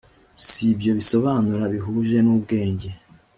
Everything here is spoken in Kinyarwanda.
si byo bisobanuro bihuje n ubwenge